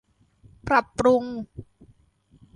ปรับปรุง